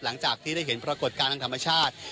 หลังจากที่ได้เห็นปรากฏการณ์ทางธรรมชาติ